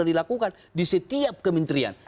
yang sudah dilakukan di setiap kementerian